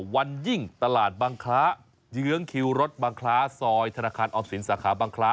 วันยิ่งตลาดบางคล้าเยื้องคิวรถบางคล้าซอยธนาคารออมสินสาขาบางคล้า